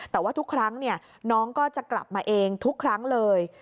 แต่ว่าทุกครั้งน้องก็จะกลับมาเองทุกครั้งเลย